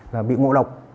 là bị ngộ độc